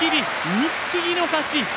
錦木の勝ち。